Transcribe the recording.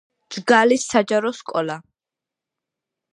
ჯგალის საჯარო სკოლა